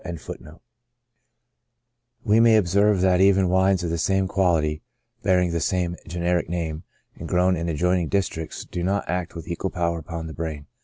* We may observe that even wines of the same quality, (bearing the same generic name), and grown in adjoining districts, do not act with equal power upon the brain.